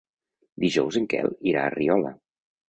Dijous en Quel irà a Riola.